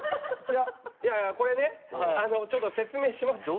いやいやこれねちょっと説明しますと。